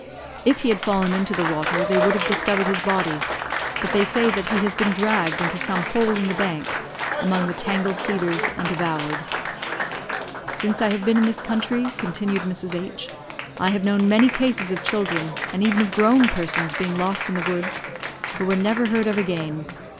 If he had fallen into the water, they would have discovered his body, but they say that he has been dragged into some hole in the bank among the tangled cedars and devoured. "Since I have been in the country," continued Mrs. H , "I have known many cases of children, and even of grown persons, being lost in the woods, who were never heard of again.